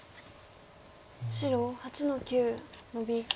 白８の九ノビ。